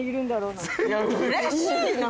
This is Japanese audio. うれしいな。